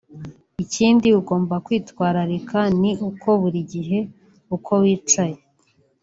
Ikindi ugomba kwitwararika ni uko buri gihe uko wicaye